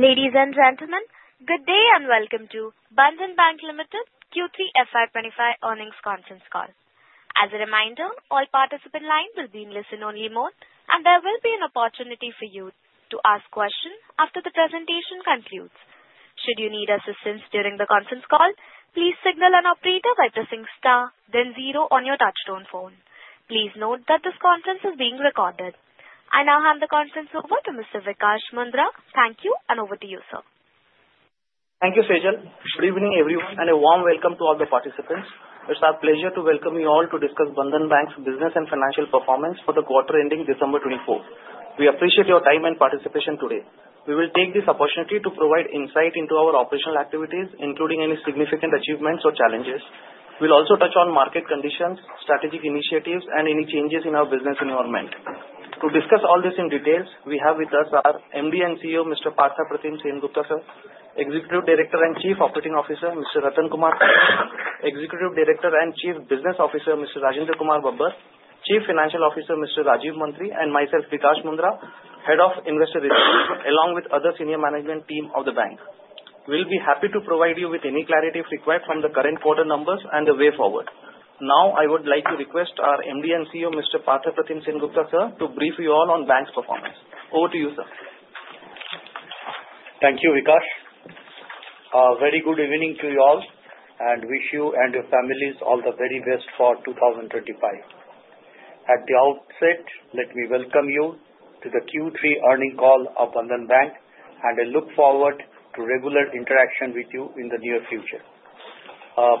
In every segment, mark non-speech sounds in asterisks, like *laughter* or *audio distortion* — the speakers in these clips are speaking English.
Ladies and gentlemen, good day and welcome to Bandhan Bank Limited Q3 FY 2025 earnings conference call. As a reminder, all participants' lines will be in listen-only mode, and there will be an opportunity for you to ask questions after the presentation concludes. Should you need assistance during the conference call, please signal an operator by pressing star, then zero on your touch-tone phone. Please note that this conference is being recorded. I now hand the conference over to Mr. Vikash Mundhra. Thank you, and over to you, sir. Thank you, Sejal. Good evening, everyone, and a warm welcome to all the participants. It's our pleasure to welcome you all to discuss Bandhan Bank's business and financial performance for the quarter ending December 24. We appreciate your time and participation today. We will take this opportunity to provide insight into our operational activities, including any significant achievements or challenges. We'll also touch on market conditions, strategic initiatives, and any changes in our business environment. To discuss all this in detail, we have with us our MD and CEO, Mr. Partha Pratim Sengupta, Executive Director and Chief Operating Officer, Mr. Ratan Kumar Kesh, Executive Director and Chief Business Officer, Mr. Rajinder Kumar Babbar, Chief Financial Officer, Mr. Rajeev Mantri, and myself, Vikash Mundhra, Head of Investor Relations, along with other senior management team of the bank. We'll be happy to provide you with any clarity required from the current quarter numbers and the way forward. Now, I would like to request our MD and CEO, Mr. Partha Pratim Sengupta, Sir to brief you all on the bank's performance. Over to you, sir. Thank you, Vikash. A very good evening to you all, and wish you and your families all the very best for 2025. At the outset, let me welcome you to the Q3 earnings call of Bandhan Bank, and I look forward to regular interaction with you in the near future.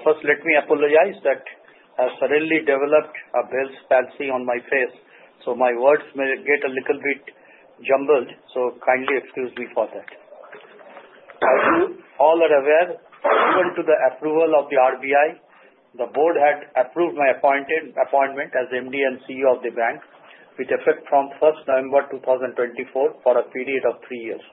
First, let me apologize that I've suddenly developed a Bell's palsy on my face, so my words may get a little bit jumbled, so kindly excuse me for that. As you all are aware, even with the approval of the RBI, the board had approved my appointment as MD and CEO of the bank with effect from 1st November 2024 for a period of three years.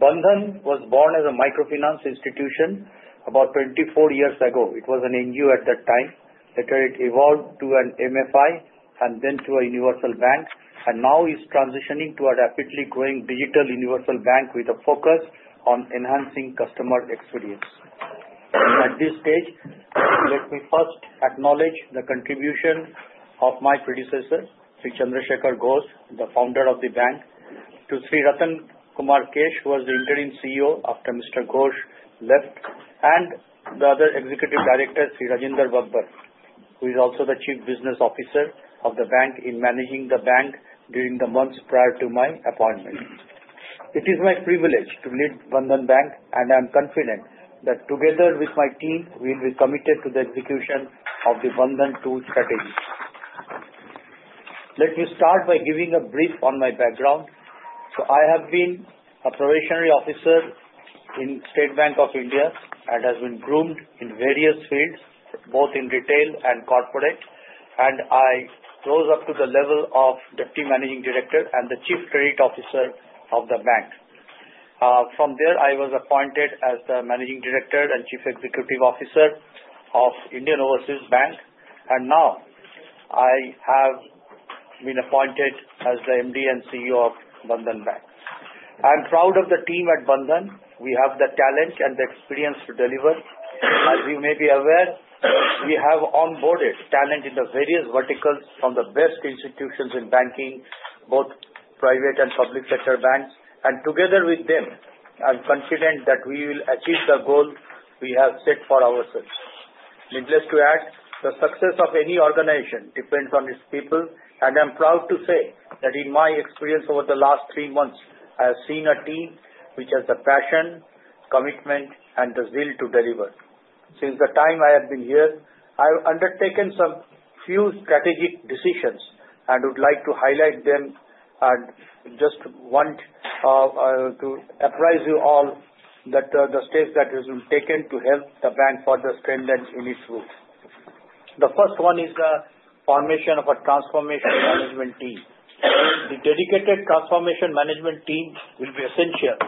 Bandhan was born as a microfinance institution about 24 years ago. It was an NGO at that time, later it evolved to an MFI, and then to a universal bank, and now is transitioning to a rapidly growing digital universal bank with a focus on enhancing customer experience. At this stage, let me first acknowledge the contribution of my predecessor, Mr. Chandra Shekhar Ghosh, the Founder of the bank, to Sri Ratan Kumar Kesh, who was the Interim CEO after Mr. Ghosh left, and the other executive director, Sri Rajinder Babbar, who is also the Chief Business Officer of the bank in managing the bank during the months prior to my appointment. It is my privilege to lead Bandhan Bank, and I am confident that together with my team, we will be committed to the execution of the Bandhan 2.0 strategy. Let me start by giving a brief on my background. I have been a Probationary Officer in the State Bank of India and have been groomed in various fields, both in retail and corporate, and I rose up to the level of Deputy Managing Director and the Chief Credit Officer of the bank. From there, I was appointed as the Managing Director and Chief Executive Officer of Indian Overseas Bank, and now I have been appointed as the MD and CEO of Bandhan Bank. I'm proud of the team at Bandhan. We have the talent and the experience to deliver. As you may be aware, we have onboarded talent in the various verticals from the best institutions in banking, both private and public sector banks, and together with them, I'm confident that we will achieve the goal we have set for ourselves. Needless to add, the success of any organization depends on its people, and I'm proud to say that in my experience over the last three months, I have seen a team which has the passion, commitment, and the zeal to deliver. Since the time I have been here, I have undertaken some few strategic decisions and would like to highlight them and just want to apprise you all that the steps that have been taken to help the bank further strengthen in its roots. The first one is the formation of a transformation management team. The dedicated transformation management team will be essential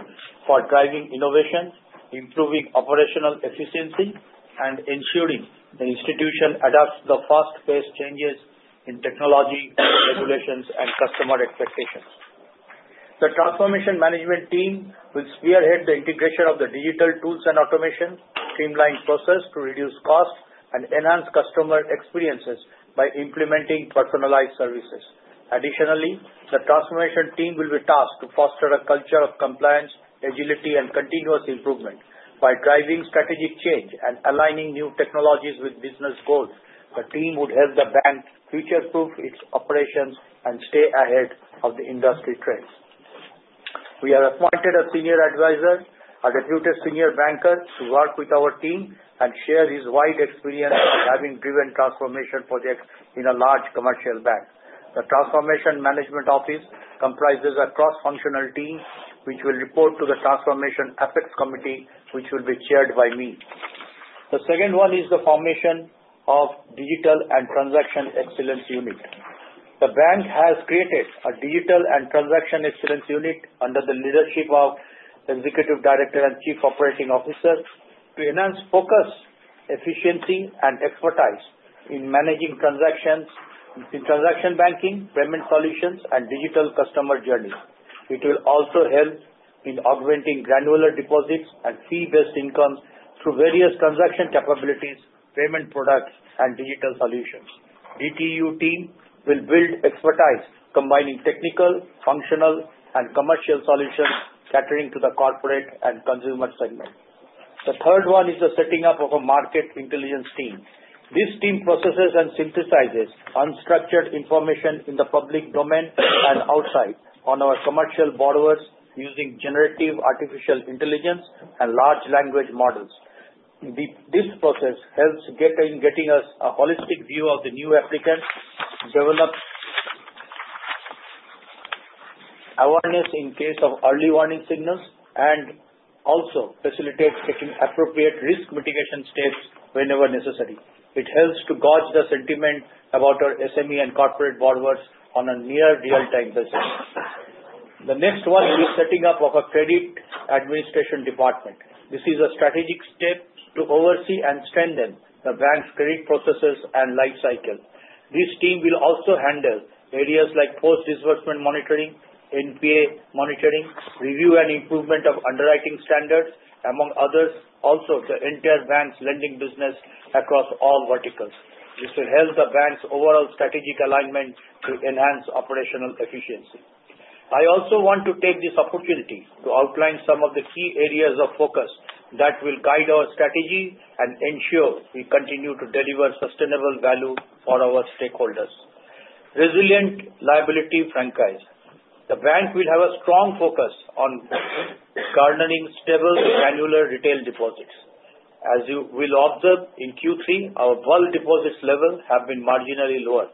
for driving innovation, improving operational efficiency, and ensuring the institution adapts to the fast-paced changes in technology, regulations, and customer expectations. The Transformation Management Team will spearhead the integration of the digital tools and automation, streamlining processes to reduce costs and enhance customer experiences by implementing personalized services. Additionally, the transformation team will be tasked to foster a culture of compliance, agility, and continuous improvement by driving strategic change and aligning new technologies with business goals. The team would help the bank future-proof its operations and stay ahead of the industry trends. We have appointed a senior advisor, a reputed senior banker, to work with our team and share his wide experience in having driven transformation projects in a large commercial bank. The Transformation Management Office comprises a cross-functional team which will report to the Transformation Apex Committee, which will be chaired by me. The second one is the formation of the Digital and Transaction Excellence Unit. The bank has created a Digital and Transaction Excellence Unit under the leadership of the Executive Director and Chief Operating Officer to enhance focus, efficiency, and expertise in managing transactions in transaction banking, payment solutions, and digital customer journey. It will also help in augmenting granular deposits and fee-based income through various transaction capabilities, payment products, and digital solutions. The DTU team will build expertise combining technical, functional, and commercial solutions catering to the corporate and consumer segment. The third one is the setting up of a Market Intelligence Team. This team processes and synthesizes unstructured information in the public domain and outside on our commercial borrowers using generative artificial intelligence and large language models. This process helps in getting us a holistic view of the new applicants, develops awareness in case of early warning signals, and also facilitates taking appropriate risk mitigation steps whenever necessary. It helps to gauge the sentiment about our SME and corporate borrowers on a near real-time basis. The next one is the setting up of a Credit Administration Department. This is a strategic step to oversee and strengthen the bank's credit processes and life cycle. This team will also handle areas like post-disbursement monitoring, NPA monitoring, review and improvement of underwriting standards, among others, also the entire bank's lending business across all verticals. This will help the bank's overall strategic alignment to enhance operational efficiency. I also want to take this opportunity to outline some of the key areas of focus that will guide our strategy and ensure we continue to deliver sustainable value for our stakeholders. Resilient liability franchise. The bank will have a strong focus on garnering stable granular retail deposits. As you will observe in Q3, our bulk deposits level has been marginally lower.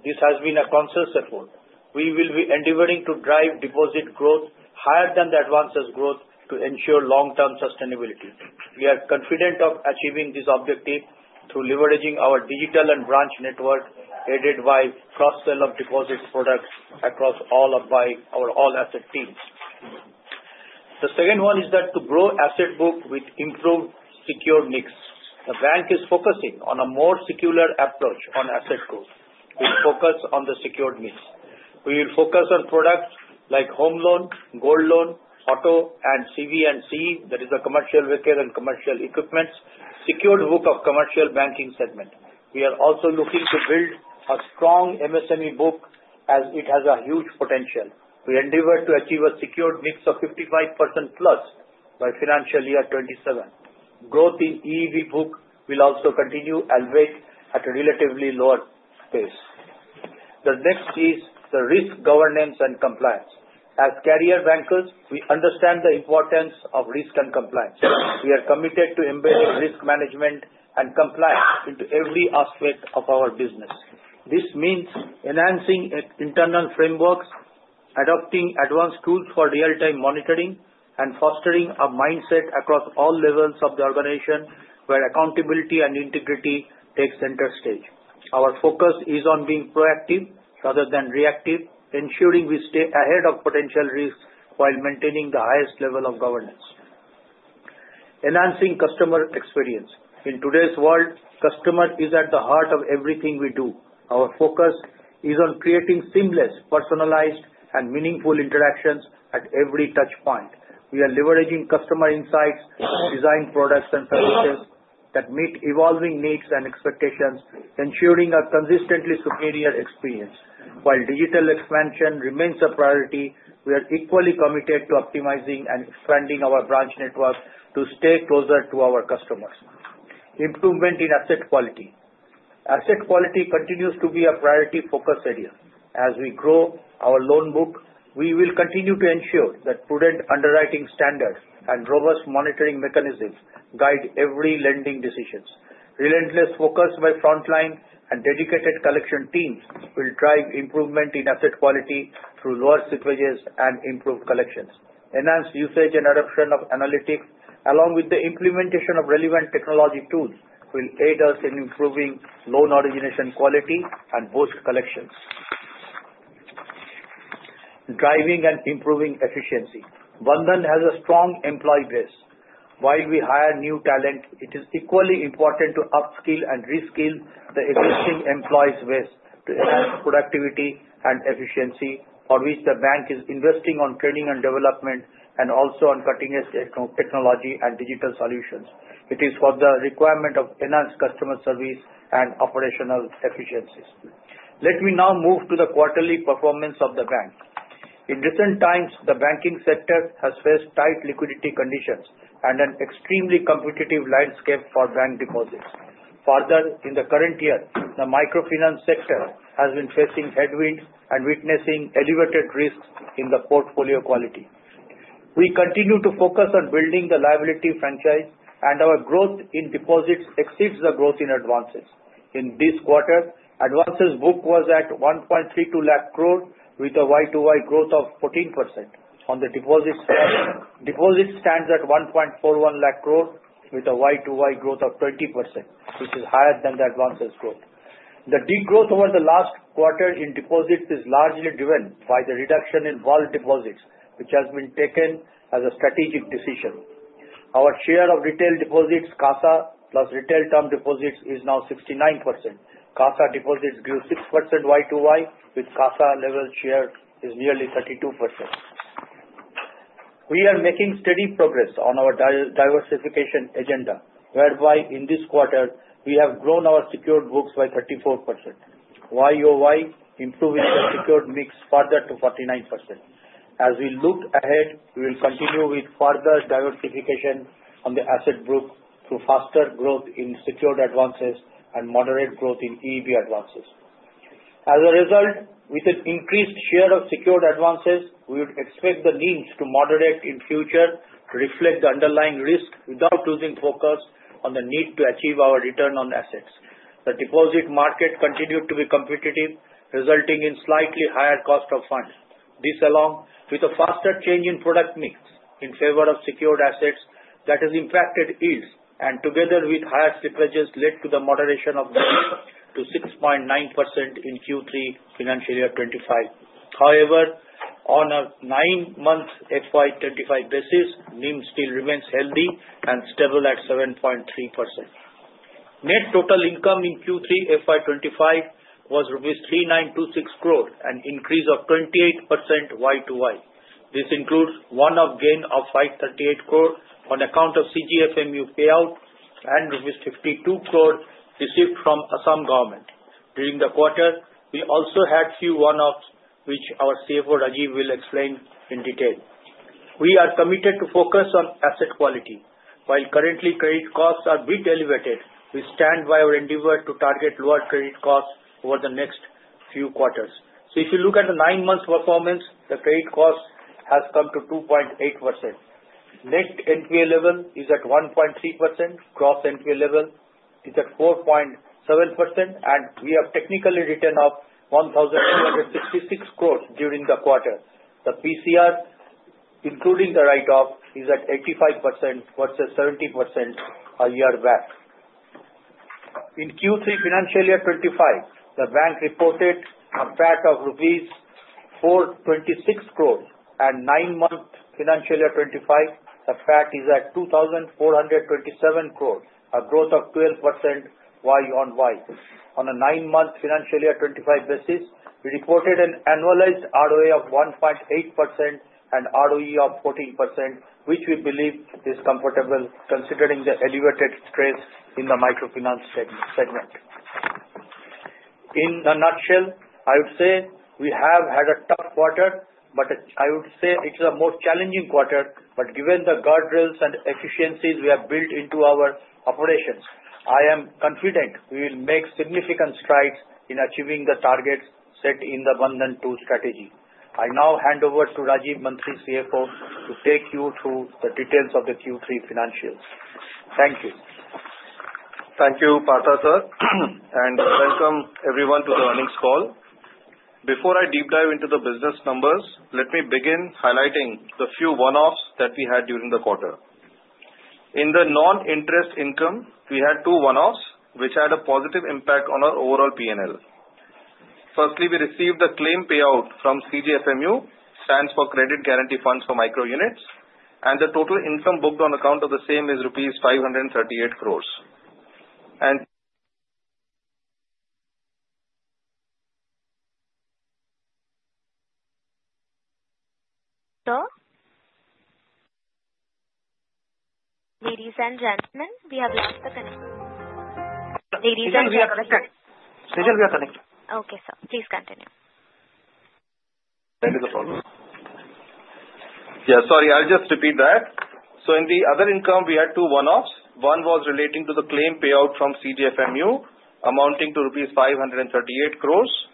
This has been a consensus effort. We will be endeavoring to drive deposit growth higher than the advanced growth to ensure long-term sustainability. We are confident of achieving this objective through leveraging our digital and branch network aided by cross-sell of deposits products across all of our all-asset teams. The second one is that to grow asset book with improved secure mix. The bank is focusing on a more secular approach on asset growth with focus on the secured mix. We will focus on products like home loan, gold loan, auto, and CV and CE, that is, the commercial vehicle and commercial equipment, secured book of commercial banking segment. We are also looking to build a strong MSME book as it has a huge potential. We endeavor to achieve a secured mix of 55%+ by financial year 2027. Growth in EEB book will also continue and wait at a relatively lower pace. The next is the risk governance and compliance. As career bankers, we understand the importance of risk and compliance. We are committed to embedding risk management and compliance into every aspect of our business. This means enhancing internal frameworks, adopting advanced tools for real-time monitoring, and fostering a mindset across all levels of the organization where accountability and integrity take center stage. Our focus is on being proactive rather than reactive, ensuring we stay ahead of potential risks while maintaining the highest level of governance. Enhancing customer experience. In today's world, customer is at the heart of everything we do. Our focus is on creating seamless, personalized, and meaningful interactions at every touchpoint. We are leveraging customer insights, design products, and services that meet evolving needs and expectations, ensuring a consistently superior experience. While digital expansion remains a priority, we are equally committed to optimizing and expanding our branch network to stay closer to our customers. Improvement in asset quality. Asset quality continues to be a priority focus area. As we grow our loan book, we will continue to ensure that prudent underwriting standards and robust monitoring mechanisms guide every lending decision. Relentless focus by frontline and dedicated collection teams will drive improvement in asset quality through lower slippages and improved collections. Enhanced usage and adoption of analytics, along with the implementation of relevant technology tools, will aid us in improving loan origination quality and boost collections. Driving and improving efficiency. Bandhan has a strong employee base. While we hire new talent, it is equally important to upskill and reskill the existing employees' base to enhance productivity and efficiency, for which the bank is investing in training and development, and also on cutting-edge technology and digital solutions. It is for the requirement of enhanced customer service and operational efficiencies. Let me now move to the quarterly performance of the bank. In recent times, the banking sector has faced tight liquidity conditions and an extremely competitive landscape for bank deposits. Further, in the current year, the microfinance sector has been facing headwinds and witnessing elevated risks in the portfolio quality. We continue to focus on building the liability franchise, and our growth in deposits exceeds the growth in advances. In this quarter, advances book was at 1.32 lakh crore with a Y-to-Y growth of 14%. On the deposits side, deposits stands at 1.41 lakh crore with a Y-to-Y growth of 20%, which is higher than the advances growth. The degrowth over the last quarter in deposits is largely driven by the reduction in bulk deposits, which has been taken as a strategic decision. Our share of retail deposits, CASA plus retail term deposits, is now 69%. CASA deposits grew 6% Y-to-Y, with CASA level share is nearly 32%. We are making steady progress on our diversification agenda, whereby in this quarter, we have grown our secured books by 34% YoY improving the secured mix further to 49%. As we look ahead, we will continue with further diversification on the asset book through faster growth in secured advances and moderate growth in EEB advances. As a result, with an increased share of secured advances, we would expect the NIMs to moderate in future to reflect the underlying risk without losing focus on the need to achieve our return on assets. The deposit market continued to be competitive, resulting in slightly higher cost of funds. This along with a faster change in product mix in favor of secured assets that has impacted yields, and together with higher opex led to the moderation of the rate to 6.9% in Q3 financial year 2025. However, on a nine-month FY 2025 basis, NIM still remains healthy and stable at 7.3%. Net total income in Q3 FY 2025 was rupees 3,926 crore, an increase of 28% Y-to-Y. This includes one-off gain of 538 crore on account of CGFMU payout and rupees 52 crore received from Assam government. During the quarter, we also had a few one-offs, which our CFO Rajeev will explain in detail. We are committed to focus on asset quality. While currently credit costs are a bit elevated, we stand by our endeavor to target lower credit costs over the next few quarters. So if you look at the nine-month performance, the credit cost has come to 2.8%. Net NPA level is at 1.3%. Gross NPA level is at 4.7%, and we have technical write-off of 1,266 crore during the quarter. The PCR, including the write-off, is at 85% versus 70% a year back. In Q3 financial year 2025, the bank reported a PAT of rupees 426 crore, and nine-month financial year 2025, the PAT is at 2,427 crore, a growth of 12% YoY. On a nine-month financial year 2025 basis, we reported an annualized ROA of 1.8% and ROE of 14%, which we believe is comfortable considering the elevated stress in the microfinance segment. In a nutshell, I would say we have had a tough quarter, but I would say it's the most challenging quarter. But given the guardrails and efficiencies we have built into our operations, I am confident we will make significant strides in achieving the targets set in the Bandhan 2.0 strategy. I now hand over to Rajeev Mantri, CFO, to take you through the details of the Q3 financials. Thank you. Thank you, Partha sir, and welcome everyone to the earnings call. Before I deep dive into the business numbers, let me begin highlighting the few one-offs that we had during the quarter. In the non-interest income, we had two one-offs, which had a positive impact on our overall P&L. Firstly, we received the claim payout from CGFMU, which stands for Credit Guarantee Fund for Micro Units, and the total income booked on account of the same is rupees 538 crore,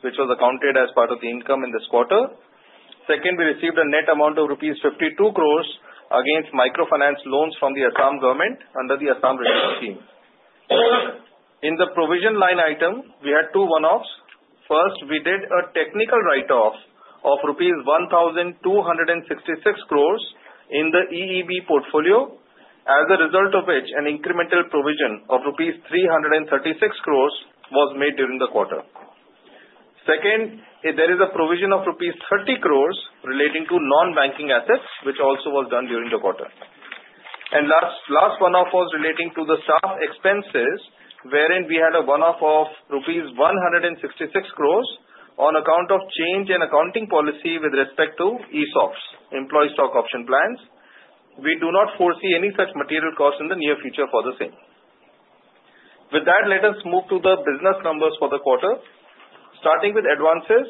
which was accounted as part of the income in this quarter. Second, we received a net amount of INR 52 crore against microfinance loans from the Assam government under the Assam Relief Scheme. In the provision line item, we had two one-offs. First, we did a technical write-off of rupees 1,266 crore in the EEB portfolio, as a result of which an incremental provision of rupees 336 crore was made during the quarter. Second, there is a provision of rupees 30 crore relating to non-banking assets, which also was done during the quarter. And last one-off was relating to the staff expenses, wherein we had a one-off of rupees 166 crore on account of change in accounting policy with respect to ESOPs, Employee Stock Option Plans. We do not foresee any such material costs in the near future for the same. With that, let us move to the business numbers for the quarter, starting with advances.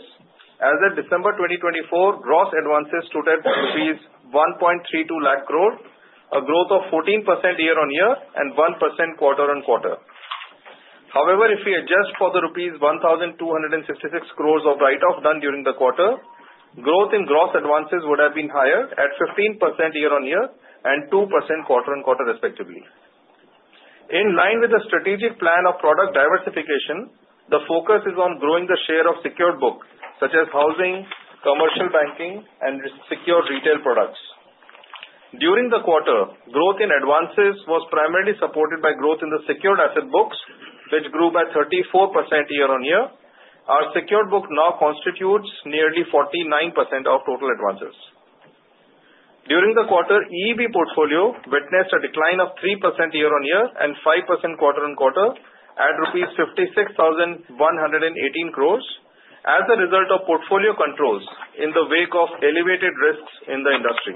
As of December 2024, gross advances stood at rupees 1.32 lakh crore, a growth of 14% year-on-year and 1% quarter-on-quarter. However, if we adjust for the rupees 1,266 crore of write-off done during the quarter, growth in gross advances would have been higher at 15% year-on-year and 2% quarter-on-quarter, respectively. In line with the strategic plan of product diversification, the focus is on growing the share of secured book, such as housing, commercial banking, and secured retail products. During the quarter, growth in advances was primarily supported by growth in the secured asset books, which grew by 34% year-on-year. Our secured book now constitutes nearly 49% of total advances. During the quarter, EEB portfolio witnessed a decline of 3% year-on-year and 5% quarter-on-quarter at rupees 56,118 crore, as a result of portfolio controls in the wake of elevated risks in the industry.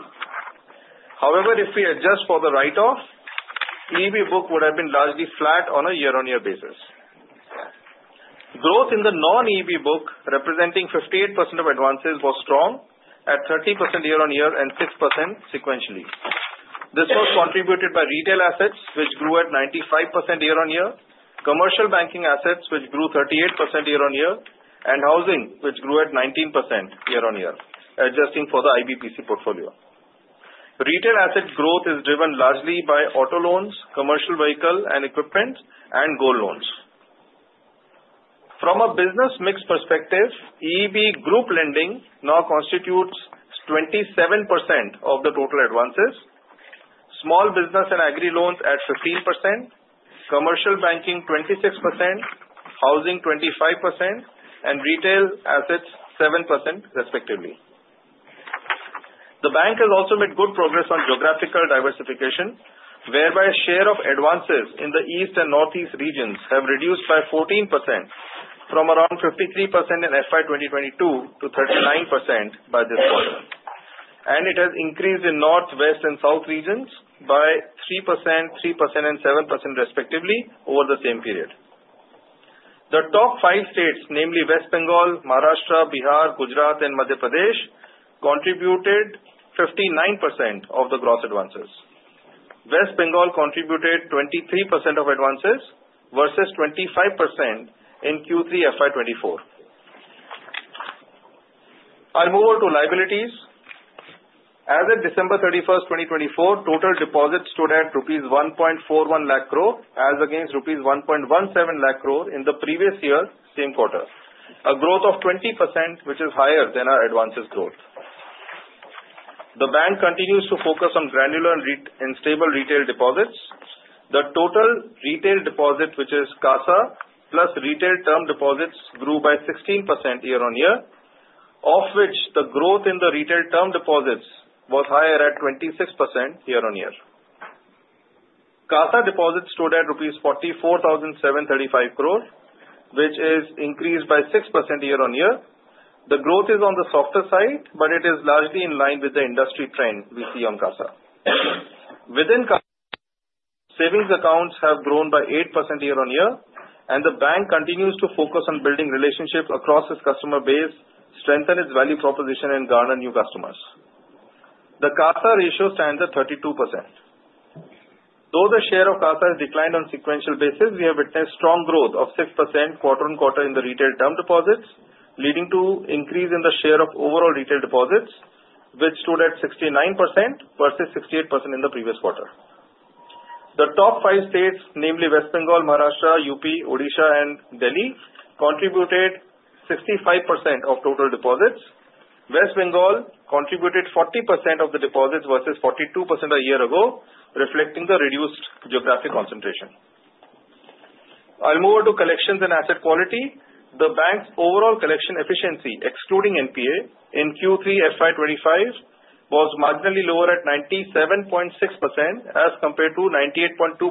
However, if we adjust for the write-off, EEB book would have been largely flat on a year-on-year basis. Growth in the non-EEB book, representing 58% of advances, was strong at 30% year-on-year and 6% sequentially. This was contributed by retail assets, which grew at 95% year-on-year, commercial banking assets, which grew 38% year-on-year, and housing, which grew at 19% year-on-year, adjusting for the IBPC portfolio. Retail asset growth is driven largely by auto loans, commercial vehicle and equipment, and gold loans. From a business mix perspective, EEB group lending now constitutes 27% of the total advances, small business and agri loans at 15%, commercial banking 26%, housing 25%, and retail assets 7%, respectively. The bank has also made good progress on geographical diversification, whereby a share of advances in the East and Northeast regions have reduced by 14% from around 53% in FY 2022 to 39% by this quarter. And it has increased in North, West, and South regions by 3%, 3%, and 7%, respectively, over the same period. The top five states, namely West Bengal, Maharashtra, Bihar, Gujarat, and Madhya Pradesh, contributed 59% of the gross advances. West Bengal contributed 23% of advances versus 25% in Q3 FY 2024. I'll move over to liabilities. As of December 31st, 2024, total deposits stood at rupees 1.41 lakh crore, as against rupees 1.17 lakh crore in the previous year, same quarter. A growth of 20%, which is higher than our advances growth. The bank continues to focus on granular and stable retail deposits. The total retail deposit, which is CASA plus retail term deposits, grew by 16% year-on-year, of which the growth in the retail term deposits was higher at 26% year-on-year. CASA deposits stood at rupees 44,735 crore, which is increased by 6% year-on-year. The growth is on the softer side, but it is largely in line with the industry trend we see on CASA. Within CASA, savings accounts have grown by 8% year-on-year, and the bank continues to focus on building relationships across its customer base, strengthen its value proposition, and garner new customers. The CASA ratio stands at 32%. Though the share of CASA has declined on a sequential basis, we have witnessed strong growth of 6% quarter-on-quarter in the retail term deposits, leading to an increase in the share of overall retail deposits, which stood at 69% versus 68% in the previous quarter. The top five states, namely West Bengal, Maharashtra, UP, Odisha, and Delhi, contributed 65% of total deposits. West Bengal contributed 40% of the deposits versus 42% a year ago, reflecting the reduced geographic concentration. I'll move over to collections and asset quality. The bank's overall collection efficiency, excluding NPA, in Q3 FY 2025 was marginally lower at 97.6% as compared to 98.2%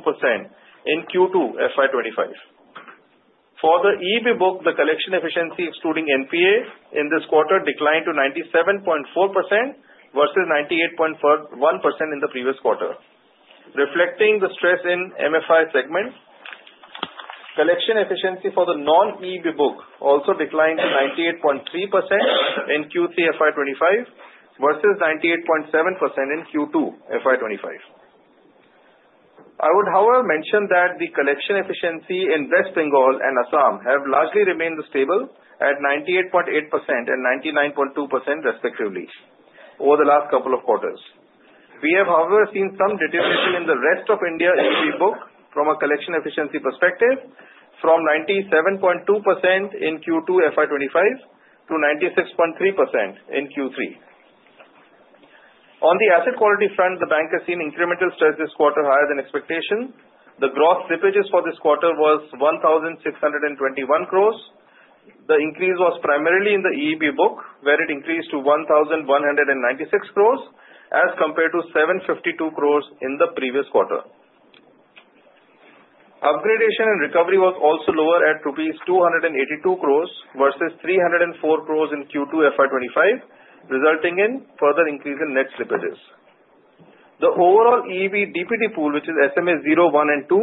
in Q2 FY 2025. For the EEB book, the collection efficiency, excluding NPA, in this quarter declined to 97.4% versus 98.1% in the previous quarter, reflecting the stress in MFI segment. Collection efficiency for the non-EEB book also declined to 98.3% in Q3 FY 2025 versus 98.7% in Q2 FY 2025. I would, however, mention that the collection efficiency in West Bengal and Assam have largely remained stable at 98.8% and 99.2%, respectively, over the last couple of quarters. We have, however, seen some deterioration in the rest of India EEB book from a collection efficiency perspective, from 97.2% in Q2 FY 2025 to 96.3% in Q3. On the asset quality front, the bank has seen incremental stress this quarter higher than expectation. The gross slippages for this quarter were 1,621 crore. The increase was primarily in the EEB book, where it increased to 1,196 crore as compared to 752 crore in the previous quarter. Upgradation and recovery was also lower at 282 crore rupees versus 304 crore in Q2 FY 2025, resulting in further increase in net slippages. The overall EEB DPD pool, which is SMA 0, 1, and 2,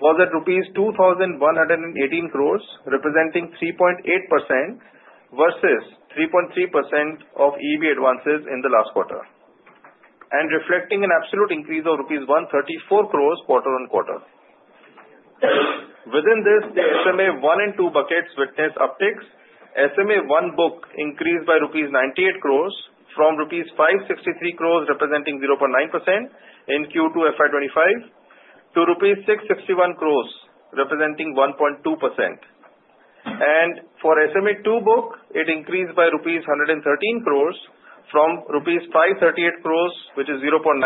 was at rupees 2,118 crore, representing 3.8% versus 3.3% of EEB advances in the last quarter, and reflecting an absolute increase of rupees 134 crore quarter-on-quarter. Within this, the SMA 1 and 2 buckets witnessed upticks. SMA 1 book increased by 98 crore rupees from 563 crore rupees, representing 0.9% in Q2 FY 2025, to 661 crore rupees, representing 1.2%. For SMA 2 book, it increased by rupees 113 crore from rupees 538 crore, which is 0.9%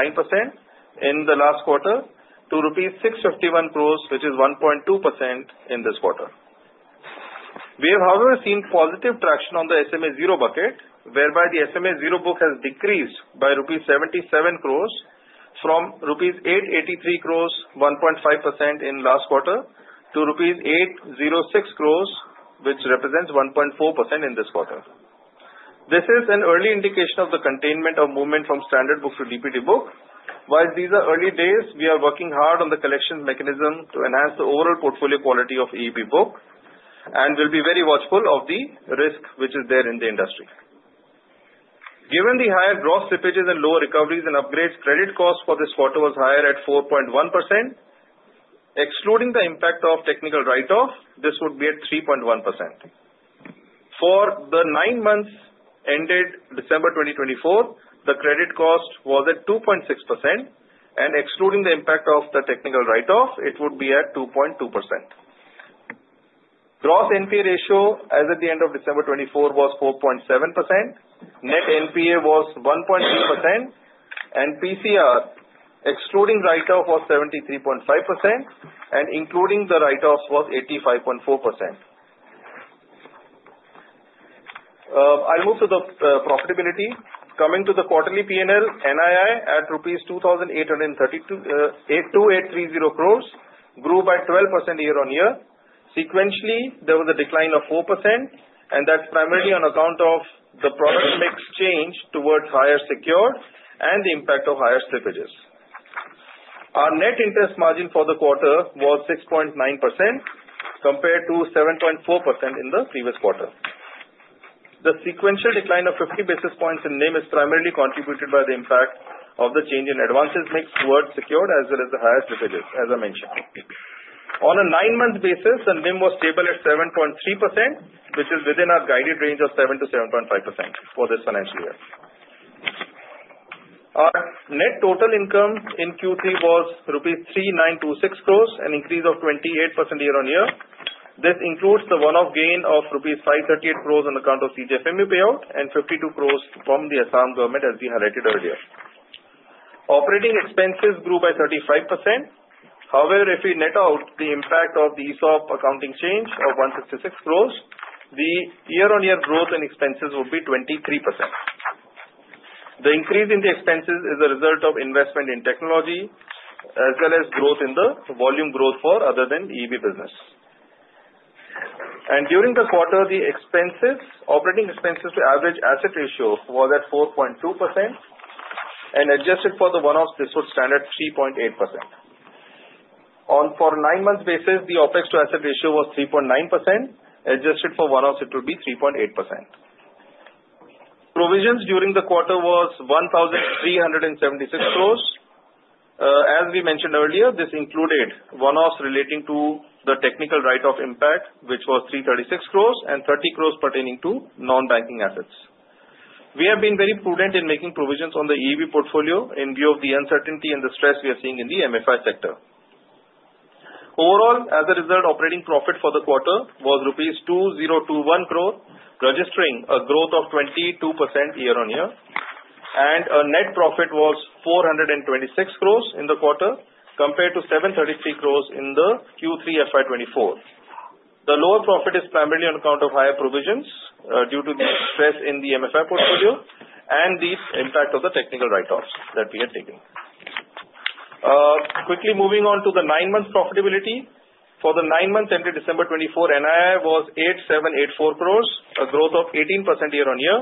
in the last quarter, to rupees 651 crore, which is 1.2% in this quarter. We have, however, seen positive traction on the SMA 0 bucket, whereby the SMA 0 book has decreased by rupees 77 crore from rupees 883 crore, 1.5% in last quarter, to rupees 806 crore, which represents 1.4% in this quarter. This is an early indication of the containment of movement from standard book to DPD book. While these are early days, we are working hard on the collection mechanism to enhance the overall portfolio quality of EEB book and will be very watchful of the risk which is there in the industry. Given the higher gross slippages and lower recoveries and upgrades, credit cost for this quarter was higher at 4.1%. Excluding the impact of technical write-off, this would be at 3.1%. For the nine months ended December 2024, the credit cost was at 2.6%, and excluding the impact of the technical write-off, it would be at 2.2%. Gross NPA ratio, as at the end of December 2024, was 4.7%. Net NPA was 1.3%, and PCR, excluding write-off, was 73.5%, and including the write-offs, was 85.4%. I'll move to the profitability. Coming to the quarterly P&L, NII at INR 2,830 crore grew by 12% year-on-year. Sequentially, there was a decline of 4%, and that's primarily on account of the product mix change towards higher secured and the impact of higher slippages. Our net interest margin for the quarter was 6.9% compared to 7.4% in the previous quarter. The sequential decline of 50 basis points in NIM is primarily contributed by the impact of the change in advances mix towards secured, as well as the higher slippages, as I mentioned. On a nine-month basis, the NIM was stable at 7.3%, which is within our guided range of 7%-7.5% for this financial year. Our net total income in Q3 was 3,926 crore rupees, an increase of 28% year-on-year. This includes the one-off gain of 538 crore rupees on account of CGFMU payout and 52 crore from the Assam government, as we highlighted earlier. Operating expenses grew by 35%. However, if we net out the impact of the ESOP accounting change of 166 crore, the year-on-year growth in expenses would be 23%. The increase in the expenses is a result of investment in technology, as well as growth in the volume growth for other than EEB business. During the quarter, the operating expenses to average asset ratio was at 4.2%, and adjusted for the one-offs, this would stand at 3.8%. On a nine-month basis, the OpEx to asset ratio was 3.9%. Adjusted for one-offs, it would be 3.8%. Provisions during the quarter were 1,376 crore. As we mentioned earlier, this included one-offs relating to the technical write-off impact, which was 336 crore, and 30 crore pertaining to non-banking assets. We have been very prudent in making provisions on the EEB portfolio in view of the uncertainty and the stress we are seeing in the MFI sector. Overall, as a result, operating profit for the quarter was rupees 2,021 crore, registering a growth of 22% year-on-year, and our net profit was 426 crore in the quarter compared to 733 crore in the Q3 FY 2024. The lower profit is primarily on account of higher provisions due to the stress in the MFI portfolio and the impact of the technical write-offs that we had taken. Quickly moving on to the nine-month profitability. For the nine-month ended December 2024, NII was 8,784 crore, a growth of 18% year-on-year.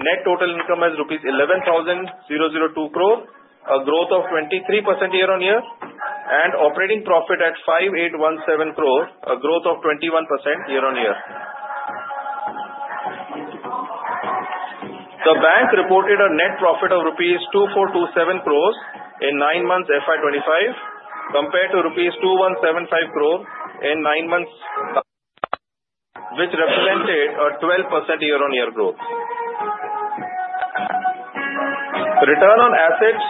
Net total income was rupees 11,002 crore, a growth of 23% year-on-year, and operating profit at 5,817 crore, a growth of 21% year-on-year. The bank reported a net profit of rupees 2,427 crore in nine months FY 2025 compared to rupees 2,175 crore in nine months, which represented a 12% year-on-year growth. Return on assets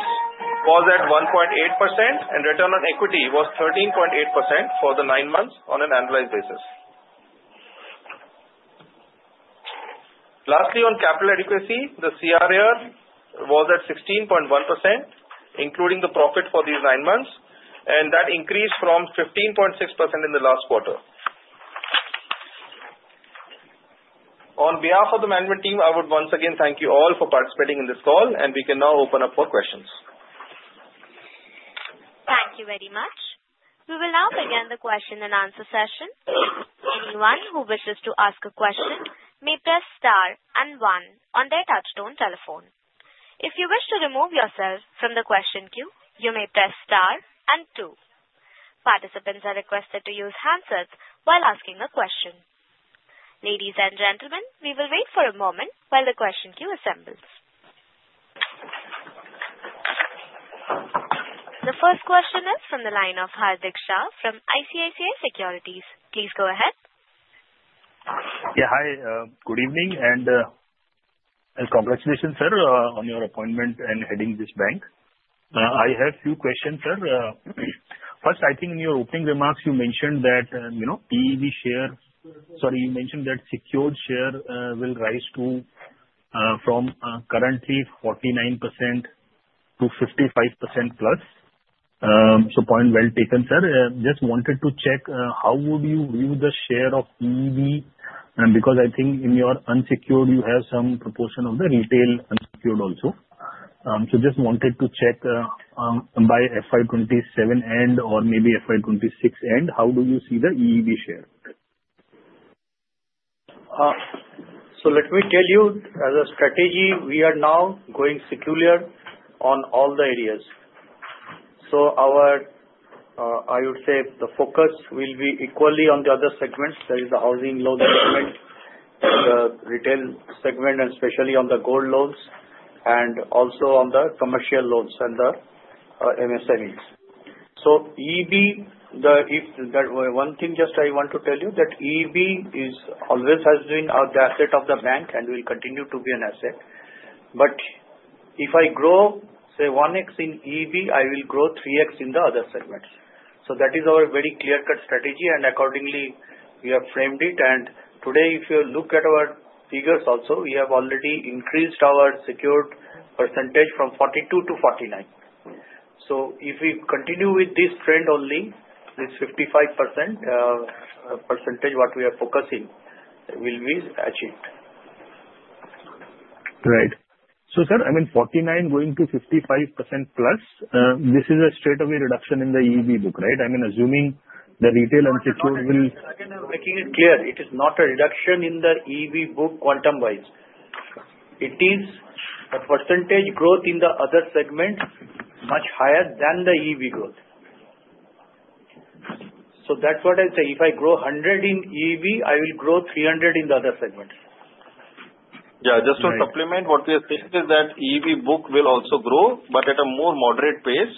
was at 1.8%, and return on equity was 13.8% for the nine months on an annualized basis. Lastly, on capital adequacy, the CRAR was at 16.1%, including the profit for these nine months, and that increased from 15.6% in the last quarter. On behalf of the management team, I would once again thank you all for participating in this call, and we can now open up for questions. Thank you very much. We will now begin the question and answer session. Anyone who wishes to ask a question may press star and one on their touch-tone telephone. If you wish to remove yourself from the question queue, you may press star and two. Participants are requested to use handsets while asking a question. Ladies and gentlemen, we will wait for a moment while the question queue assembles. The first question is from the line of Hardik Shah from ICICI Securities. Please go ahead. Yeah, hi. Good evening and congratulations, sir, on your appointment and heading this bank. I have a few questions, sir. First, I think in your opening remarks, you mentioned that EEB share, sorry, you mentioned that secured share will rise from currently 49% to 55%+. So point well taken, sir. Just wanted to check how would you view the share of EEB because I think in your unsecured, you have some proportion of the retail unsecured also. So just wanted to check by FY 2027 end or maybe FY 2026 end, how do you see the EEB share? So let me tell you, as a strategy, we are now going secular on all the areas. So our, I would say, the focus will be equally on the other segments, that is the housing loan segment, the retail segment, and especially on the gold loans and also on the commercial loans and the MSMEs. So EEB, one thing just I want to tell you that EEB always has been the asset of the bank and will continue to be an asset. But if I grow, say, 1x in EEB, I will grow 3x in the other segments. So that is our very clear-cut strategy, and accordingly, we have framed it. And today, if you look at our figures also, we have already increased our secured percentage from 42% to 49%. So if we continue with this trend only, this 55% percentage what we are focusing will be achieved. Right. So sir, I mean, 49% going to 55%+, this is a straight away reduction in the EEB book, right? I mean, assuming the retail unsecured will. I can make it clear. It is not a reduction in the EEB book quantum-wise. It is a percentage growth in the other segments much higher than the EEB growth. So that's what I say. If I grow 100 in EEB, I will grow 300 in the other segments. Yeah. Just to supplement, what we are saying is that EEB book will also grow, but at a more moderate pace,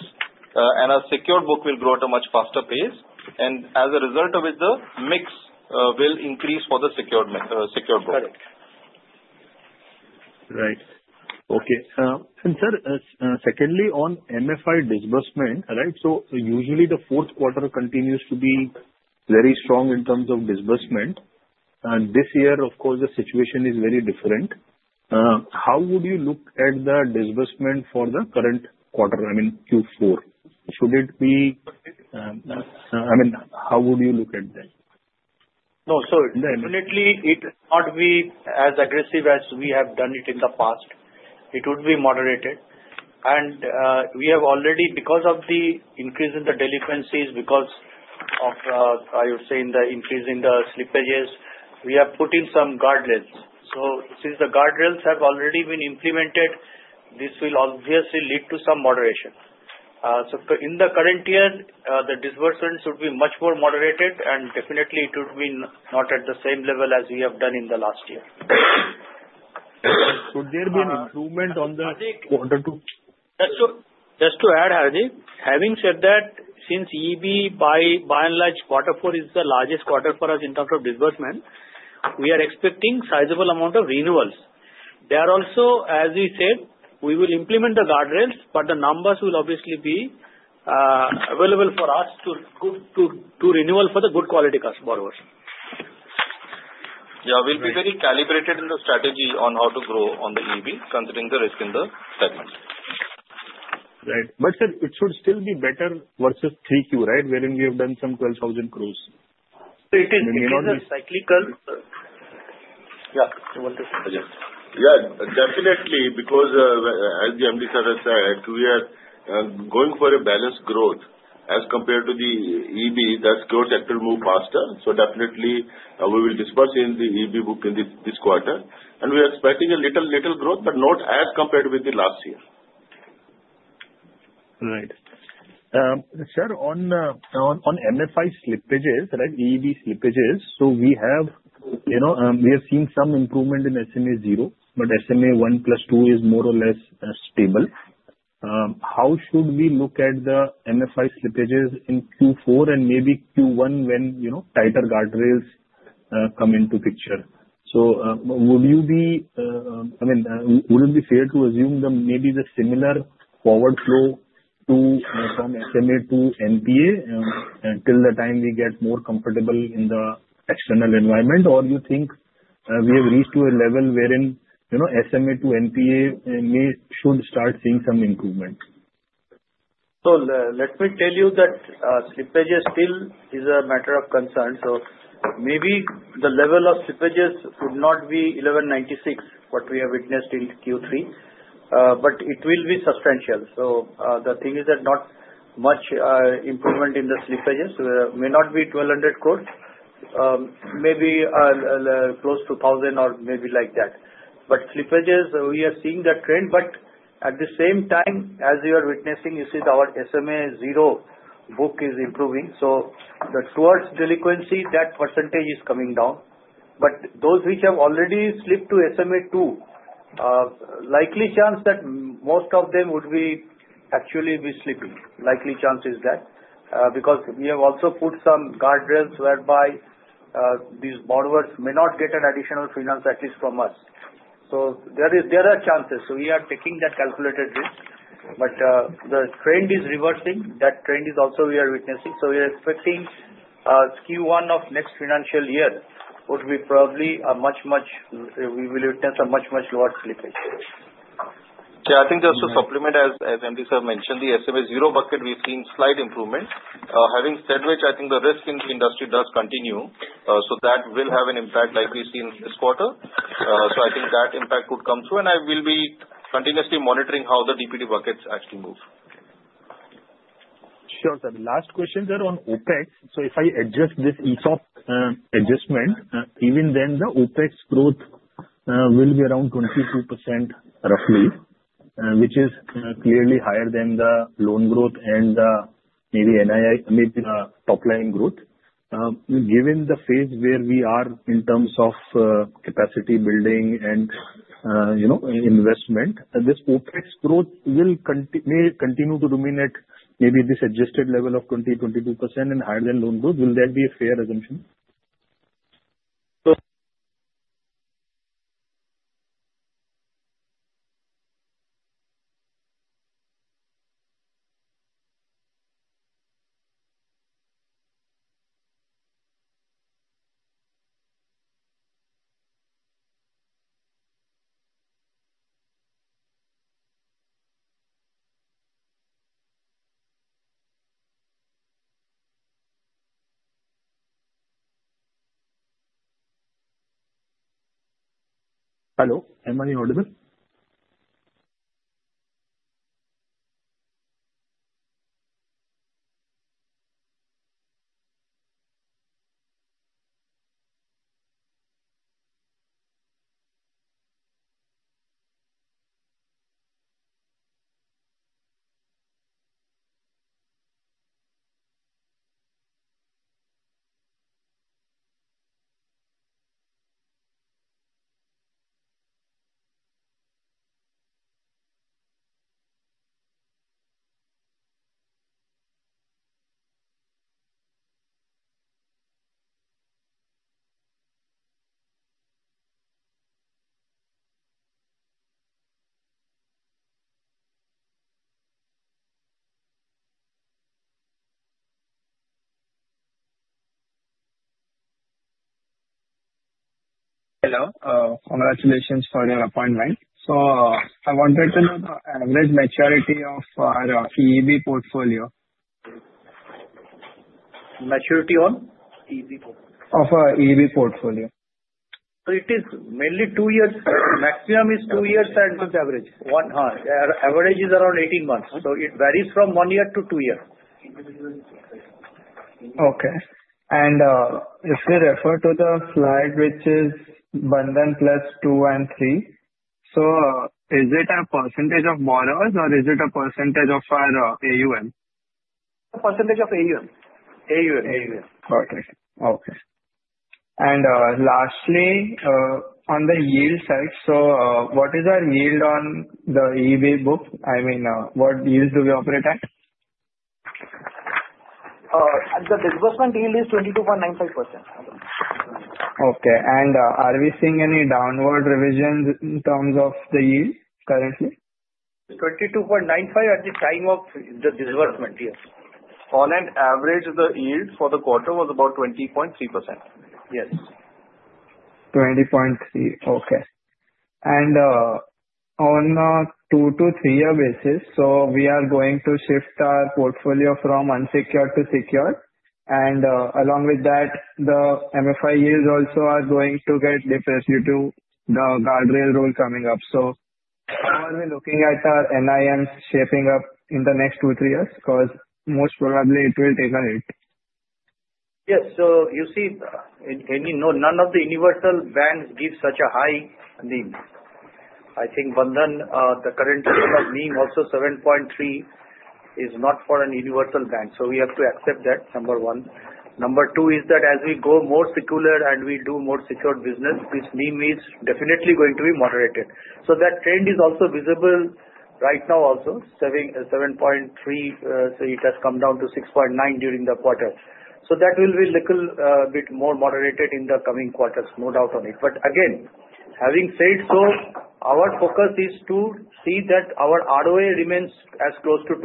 and a secured book will grow at a much faster pace, and as a result of it, the mix will increase for the secured book. Right. Okay. And sir, secondly, on MFI disbursement, right? So usually, the fourth quarter continues to be very strong in terms of disbursement. And this year, of course, the situation is very different. How would you look at the disbursement for the current quarter, I mean, Q4? Should it be, I mean, how would you look at that? No, so definitely, it will not be as aggressive as we have done it in the past. It would be moderated. And we have already, because of the increase in the delinquencies, because of, I would say, the increase in the slippages, we have put in some guardrails. So since the guardrails have already been implemented, this will obviously lead to some moderation. So in the current year, the disbursement should be much more moderated, and definitely, it would be not at the same level as we have done in the last year. Would there be an improvement on the quarter too? Just to add, Hardik, having said that, since EEB, by and large, quarter four is the largest quarter for us in terms of disbursement, we are expecting a sizable amount of renewals. There are also, as we said, we will implement the guardrails, but the numbers will obviously be available for us to renewal for the good quality customer borrowers. Yeah. We'll be very calibrated in the strategy on how to grow on the EEB, considering the risk in the segment. Right. But sir, it should still be better versus 3Q, right, wherein we have done some 12,000 crores. So it is, yeah, definitely, because as the MD sir has said, we are going for a balanced growth as compared to the EEB that's going to move faster. So definitely, we will disburse in the EEB book in this quarter. And we are expecting a little growth, but not as compared with the last year. Right. Sir, on MFI slippages, right, EEB slippages, so we have seen some improvement in SMA 0, but SMA 1 plus 2 is more or less stable. How should we look at the MFI slippages in Q4 and maybe Q1 when tighter guardrails come into picture? So would you be—I mean, would it be fair to assume maybe the similar forward flow from SMA to NPA till the time we get more comfortable in the external environment, or do you think we have reached to a level wherein SMA to NPA should start seeing some improvement? So let me tell you that slippages still is a matter of concern. So maybe the level of slippages would not be 1,196, what we have witnessed in Q3, but it will be substantial. So the thing is that not much improvement in the slippages. It may not be 1,200 crore, maybe close to 1,000 or maybe like that. But slippages, we are seeing that trend. But at the same time, as you are witnessing, you see our SMA 0 book is improving. So the towards delinquency, that percentage is coming down. But those which have already slipped to SMA 2, likely chance that most of them would actually be slipping. Likely chance is that because we have also put some guardrails whereby these borrowers may not get an additional finance at least from us. So there are chances. So we are taking that calculated risk. But the trend is reversing. That trend is also we are witnessing. So we are expecting Q1 of next financial year would be probably a much, much. We will witness a much, much lower slippage. Yeah. I think just to supplement, as MD sir mentioned, the SMA 0 bucket, we've seen slight improvement. Having said which, I think the risk in the industry does continue. So that will have an impact like we've seen this quarter. So I think that impact would come through. And I will be continuously monitoring how the DPD buckets actually move. Sure, sir. Last question, sir, on OpEx. So if I adjust this ESOP adjustment, even then the OpEx growth will be around 22% roughly, which is clearly higher than the loan growth and maybe NII, maybe the top line growth. Given the phase where we are in terms of capacity building and investment, this OpEx growth will continue to dominate maybe this adjusted level of 20%-22% and higher than loan growth. Will that be a fair assumption? So. *audio distortion* Hello. Am I audible? Hello. Congratulations for your appointment. So I wanted to know the average maturity of our EEB portfolio. Maturity on? Of EEB portfolio. So it is mainly two years. Maximum is two years and average is around 18 months. So it varies from one year to two years. Okay. And if we refer to the slide, which is Bandhan Plus 2 and 3, so is it a percentage of borrowers or is it a percentage of our AUM? The percentage of AUM. Okay. Okay. And lastly, on the yield side, so what is our yield on the EEB book? I mean, what yield do we operate at? The disbursement yield is 22.95%. Okay. And are we seeing any downward revision in terms of the yield currently? 22.95% at the time of the disbursement, yes. On average, the yield for the quarter was about 20.3%. Yes. Okay. On a two-to-three-year basis, we are going to shift our portfolio from unsecured to secured. Along with that, the MFI yields also are going to get depressed due to the guardrail rule coming up. So how are we looking at our NIMs shaping up in the next two to three years? Because most probably, it will take a hit. Yes. So you see, none of the universal banks give such a high. I think Bandhan, the current level of NIM also 7.3% is not for a Universal Bank. So we have to accept that, number one. Number two is that as we go more secured and we do more secure business, this NIM is definitely going to be moderated. So that trend is also visible right now also, 7.3%. So it has come down to 6.9% during the quarter. So that will be a little bit more moderated in the coming quarters, no doubt on it. But again, having said so, our focus is to see that our ROA remains as close to 2%.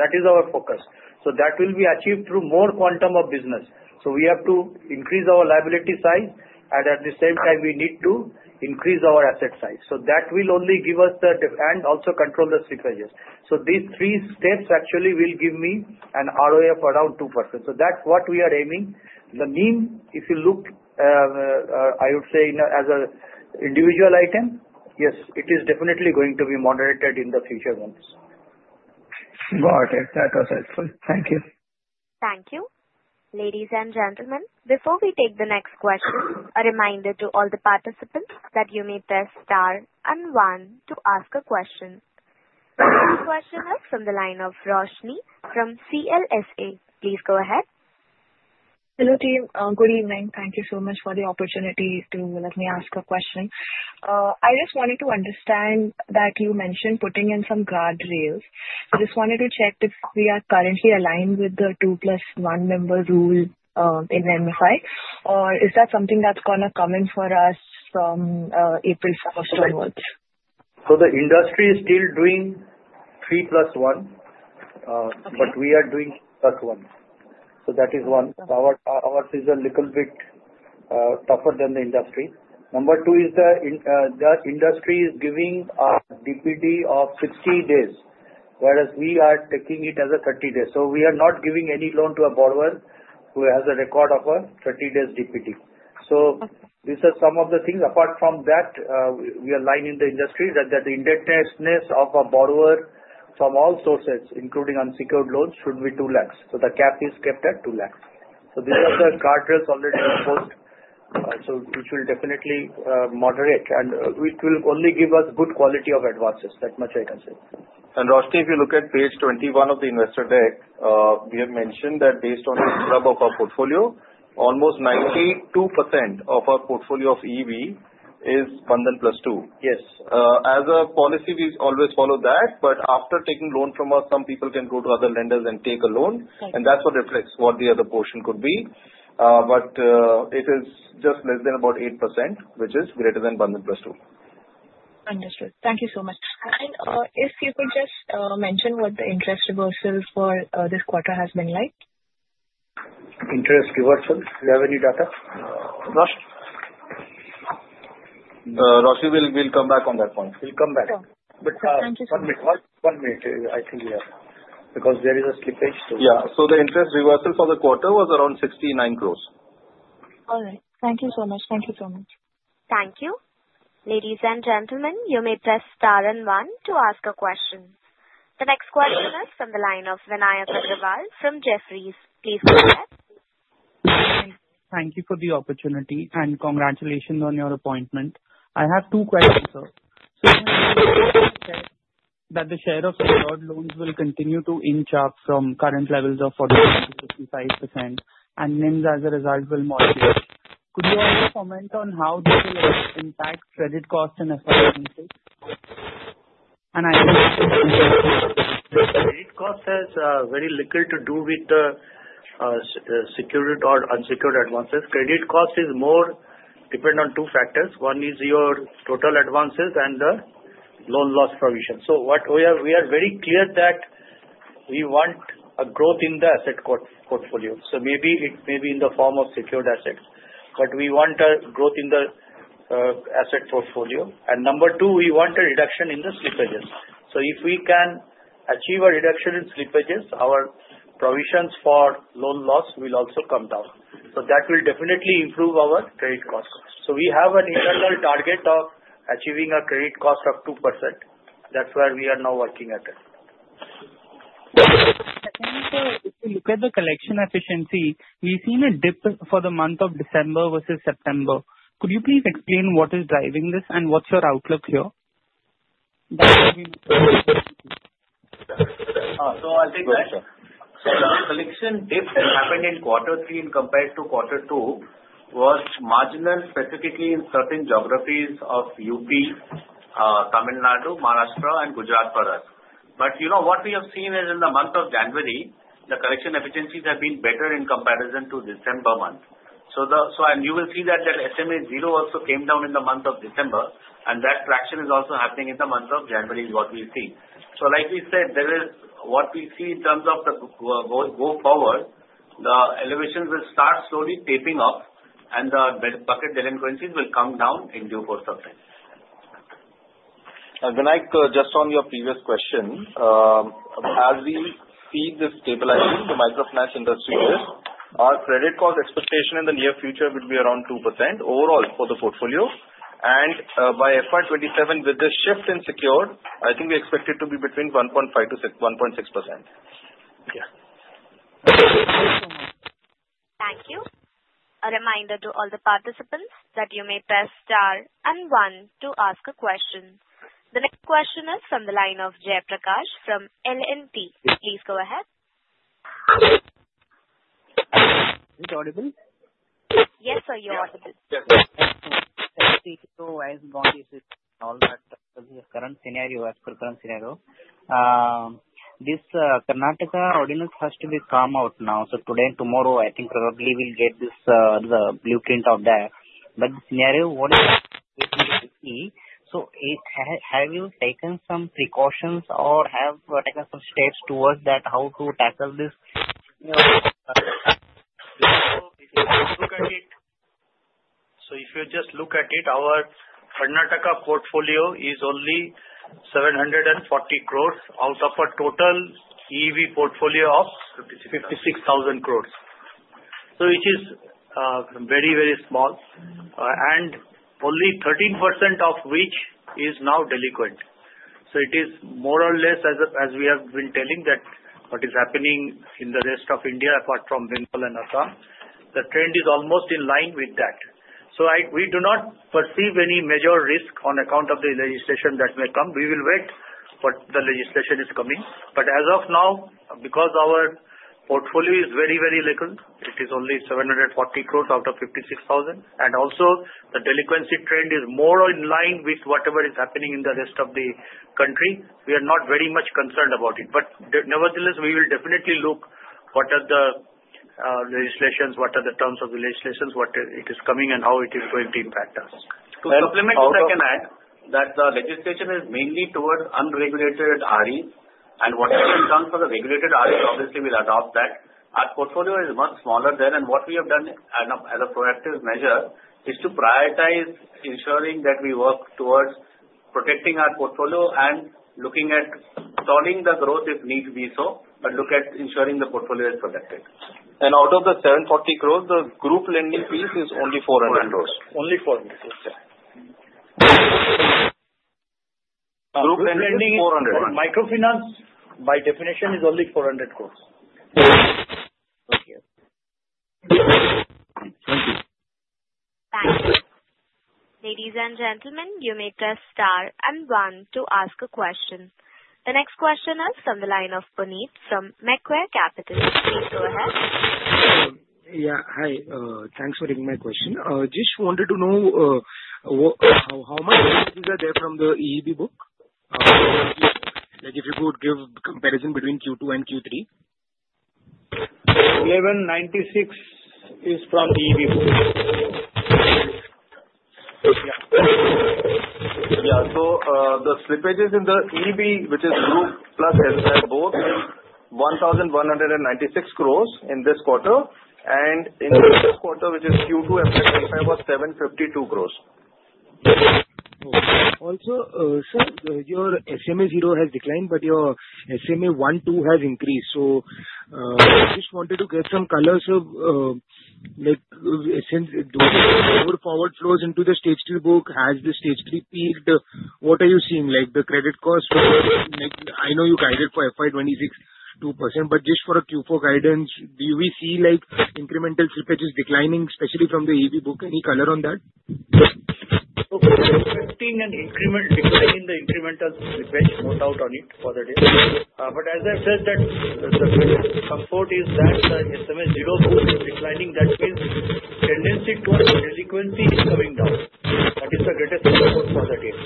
That is our focus. So that will be achieved through more quantum of business. So we have to increase our liability size, and at the same time, we need to increase our asset size. So that will only give us the and also control the slippages. So these three steps actually will give me an ROA of around 2%. So that's what we are aiming. The NIM, if you look, I would say as an individual item, yes, it is definitely going to be moderated in the future months. Got it. That was helpful. Thank you. Thank you. Ladies and gentlemen, before we take the next question, a reminder to all the participants that you may press star and one to ask a question. The first question is from the line of Roshni from CLSA. Please go ahead. Hello, team. Good evening. Thank you so much for the opportunity to let me ask a question. I just wanted to understand that you mentioned putting in some guardrails. I just wanted to check if we are currently aligned with the two plus one member rule in MFI, or is that something that's going to come in for us from April 1st onwards? So the industry is still doing three plus one, but we are doing two plus one. So that is one. Ours is a little bit tougher than the industry. Number two is that the industry is giving a DPD of 60 days, whereas we are taking it as a 30 days. So we are not giving any loan to a borrower who has a record of a 30-day DPD. So these are some of the things. Apart from that, we align in the industry that the indebtedness of a borrower from all sources, including unsecured loans, should be 2 lakhs. So the cap is kept at 2 lakhs. So these are the guardrails already imposed, which will definitely moderate, and it will only give us good quality of advances. That much I can say. Roshni, if you look at page 21 of the investor deck, we have mentioned that based on the scrub of our portfolio, almost 92% of our portfolio of EEB is Bandhan Plus 2. Yes. As a policy, we always follow that. But after taking loan from us, some people can go to other lenders and take a loan. And that's what reflects what the other portion could be. But it is just less than about 8%, which is greater than Bandhan Plus 2. Understood. Thank you so much. And if you could just mention what the interest reversal for this quarter has been like? Interest reversal? Do you have any data? Roshni, we'll come back on that point. We'll come back. Okay. Thank you so much. One minute. One minute. I think we have because there is a slippage. Yeah, so the interest reversal for the quarter was around 69 crores. All right. Thank you so much. Thank you so much. Thank you. Ladies and gentlemen, you may press star and one to ask a question. The next question is from the line of Vinayak Agarwal from Jefferies. Please go ahead. Thank you for the opportunity, and congratulations on your appointment. I have two questions, sir. So you mentioned that the share of secured loans will continue to inch up from current levels of 40%-55%, and NIMs, as a result, will modulate. Could you also comment on how this will impact credit cost in the FY 2025? *audio distortion* Credit cost has very little to do with the secured or unsecured advances. Credit cost is more dependent on two factors. One is your total advances and the loan loss provision, so we are very clear that we want a growth in the asset portfolio, so maybe it may be in the form of secured assets, but we want a growth in the asset portfolio and number two, we want a reduction in the slippages, so if we can achieve a reduction in slippages, our provisions for loan loss will also come down, so that will definitely improve our credit cost, so we have an internal target of achieving a credit cost of 2%. That's where we are now working at it. Secondly, sir, if you look at the collection efficiency, we've seen a dip for the month of December versus September. Could you please explain what is driving this and what's your outlook here? That would be my questions. So I think that the collection dip that happened in quarter three as compared to quarter two was marginal, specifically in certain geographies of UP, Tamil Nadu, Maharashtra, and Gujarat for us. But what we have seen is in the month of January, the collection efficiencies have been better in comparison to December month. So you will see that SMA 0 also came down in the month of December, and that traction is also happening in the month of January, what we've seen. So like we said, what we see in terms of going forward, the collections will start slowly picking up, and the bucket delinquencies will come down in due course of time. Vinayak, just on your previous question, as we see this stabilizing, the microfinance industry here, our credit cost expectation in the near future would be around 2% overall for the portfolio. By FY 2027, with the shift in secured, I think we expect it to be between 1.5%-1.6%. Thank you. A reminder to all the participants that you may press star and one to ask a question. The next question is from the line of Jayaprakash from L&T. Please go ahead. Is it audible? Yes, sir, you're audible. Thank you so much. So as long as all that current scenario, as per current scenario, this Karnataka ordinance has to be come out now. So today and tomorrow, I think probably we'll get the blueprint of that. But the scenario, what is happening with me? So have you taken some precautions or have taken some steps towards that, how to tackle this? If you just look at it, our Karnataka portfolio is only 740 crores out of a total EEB portfolio of 56,000 crores, which is very, very small, and only 13% of which is now delinquent. It is more or less, as we have been telling, that what is happening in the rest of India, apart from Bengal and Assam, the trend is almost in line with that. We do not perceive any major risk on account of the legislation that may come. We will wait for the legislation is coming. As of now, because our portfolio is very, very little, it is only 740 crores out of 56,000. The delinquency trend is more in line with whatever is happening in the rest of the country. We are not very much concerned about it. But nevertheless, we will definitely look at what are the legislations, what are the terms of the legislations, what it is coming, and how it is going to impact us. To supplement what I can add, that the legislation is mainly towards unregulated REs, and whatever comes for the regulated REs, obviously, we'll adopt that. Our portfolio is much smaller there, and what we have done as a proactive measure is to prioritize ensuring that we work towards protecting our portfolio and looking at stalling the growth if need be so, but look at ensuring the portfolio is protected. Out of the 740 crores, the group lending piece is only 400 crores. Only 400 crores. Group lending is 400 crores. Microfinance, by definition, is only 400 crores. Thank you. Thank you. Ladies and gentlemen, you may press star and one to ask a question. The next question is from the line of Punit from Macquarie Capital. Please go ahead. Yeah. Hi. Thanks for taking my question. Just wanted to know how much are there from the EEB book? Like if you could give comparison between Q2 and Q3. 1,196 crores is from the EEB book. Yeah. Yeah. So the slippages in the EEB, which is group plus SBAL, both is 1,196 crores in this quarter and in the last quarter, which is Q2 FY 2025 was INR 752 crores. Also, sir, your SMA 0 has declined, but your SMA 1, 2 has increased. So I just wanted to get some color on since the forward flows into the Stage 3 book has the Stage 3 peaked. What are you seeing? Like the credit cost, I know you guided for FY 2026 2%, but just for a Q4 guidance, do we see incremental slippages declining, especially from the EEB book? Any color on that? We're seeing an incremental decline in the incremental slippage. No doubt on it for the data. But as I said, that the greatest support is that the SMA 0 book is declining. That means tendency towards delinquency is coming down. That is the greatest support for the data.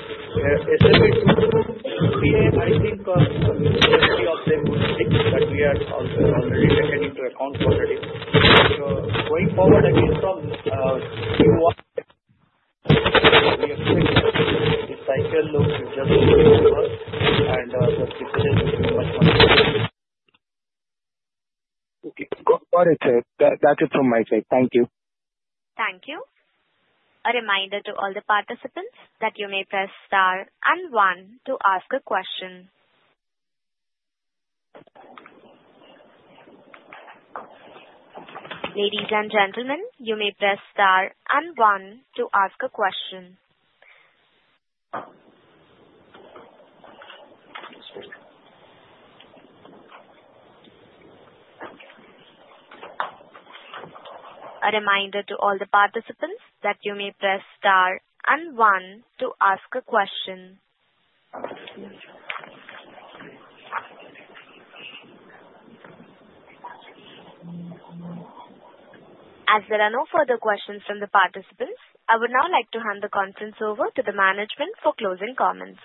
SMA 2, I think, is a majority of them that we have already taken into account for the data. Going forward, again, from Q1, we expect the cycle to just go over, and the slippages will be much, much less. Okay. Got it. That's it from my side. Thank you. Thank you. A reminder to all the participants that you may press star and one to ask a question. Ladies and gentlemen, you may press star and one to ask a question. A reminder to all the participants that you may press star and one to ask a question. As there are no further questions from the participants, I would now like to hand the conference over to the management for closing comments.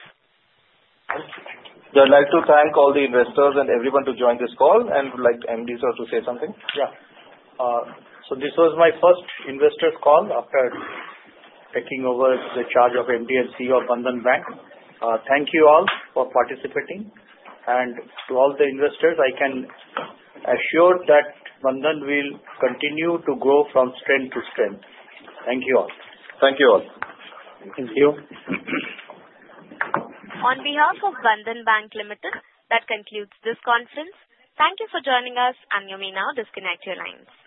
I'd like to thank all the investors and everyone who joined this call and would like MD sir to say something. Yeah. So this was my first investors call after taking over the charge of MD and CEO of Bandhan Bank. Thank you all for participating. And to all the investors, I can assure that Bandhan will continue to grow from strength to strength. Thank you all. Thank you all. Thank you. On behalf of Bandhan Bank Limited, that concludes this conference. Thank you for joining us, and you may now disconnect your lines.